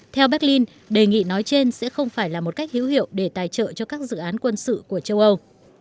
theo berlin đề nghị nói trên sẽ không phải là một cách hữu hiệu để tài trợ cho các dự án quân sự của châu âu